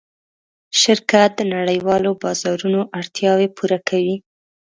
شرکت د نړۍوالو بازارونو اړتیاوې پوره کوي.